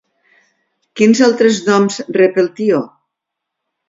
Quins altres noms rep el tió?